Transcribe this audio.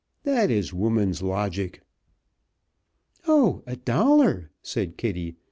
That is woman's logic!" "Oh! a dollar!" said Kitty.